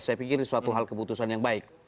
saya pikir ini suatu hal keputusan yang baik